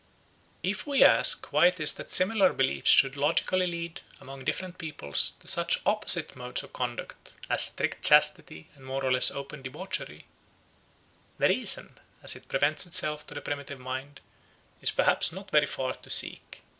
If we ask why it is that similar beliefs should logically lead, among different peoples, to such opposite modes of conduct as strict chastity and more or less open debauchery, the reason, as it presents itself to the primitive mind, is perhaps not very far to seek.